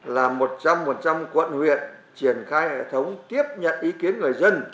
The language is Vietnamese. là một trăm linh quận huyện triển khai hệ thống tiếp nhận ý kiến người dân